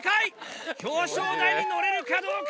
表彰台に乗れるかどうか？